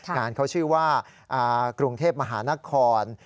งานเขาชื่อว่ากรุงเทพมหานคร